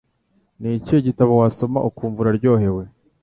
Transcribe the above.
nikihe gitabo wasoma ukumva uraryohewe?